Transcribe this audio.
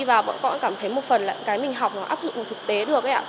và bọn con cũng cảm thấy một phần là cái mình học nó áp dụng thực tế được